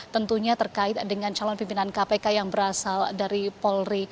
tentunya terkait dengan calon pimpinan kpk yang berasal dari polri